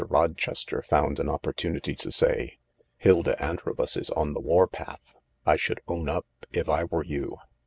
Rochester found an opportunity to say, " Hilda Antrobus is on the war path. I should own up if I were you."